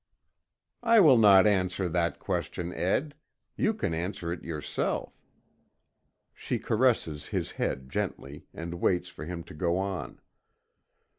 "I will not answer that question, Ed. You can answer it yourself." She caresses his head gently, and waits for him to go on.